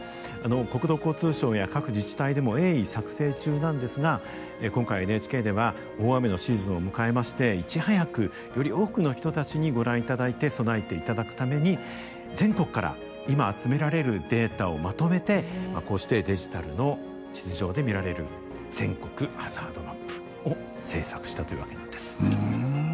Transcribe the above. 国土交通省や各自治体でも鋭意作成中なんですが今回ＮＨＫでは大雨のシーズンを迎えましていち早くより多くの人たちにご覧いただいて備えていただくために全国から今集められるデータをまとめてこうしてデジタルの地図上で見られる全国ハザードマップを制作したというわけなんです。